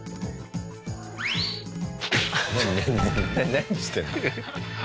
何してんの？